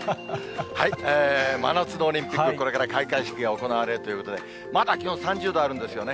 真夏のオリンピック、これから開会式が行われるということで、まだ気温３０度あるんですよね。